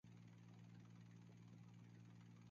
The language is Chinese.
杂斑扁尾鲀为鲀科扁尾鲀属的鱼类。